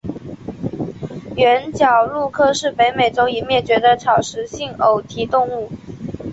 原角鹿科是北美洲已灭绝的草食性偶蹄动物。